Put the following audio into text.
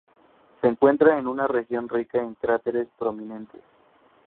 Se encuentra en una región rica en cráteres prominentes.